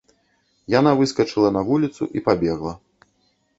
Яна выскачыла на вуліцу і пабегла.